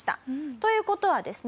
という事はですね